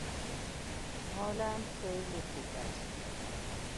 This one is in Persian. حالم خیلی خوبست!